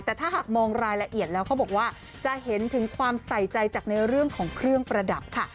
แต่ถ้าหากมองรายละเอียดแล้วเขาบอกว่าจะเห็นถึงความใส่ใจจากในเรื่องของเครื่องประดับค่ะ